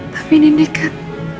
tapi ndik kan